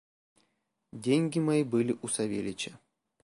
Деньги мои были у Савельича.